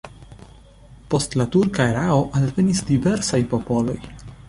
Post la turka erao alvenis diversaj popoloj.